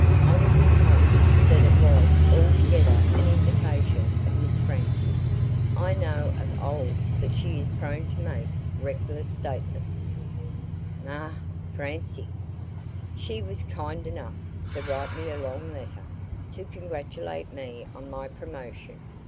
I was in hopes that it was altogether an invention of Miss Francie's I know of old that she is prone to make reckless statements " "Ah h Francie!" "She was kind enough to write me a long letter, to congratulate me on my promotion.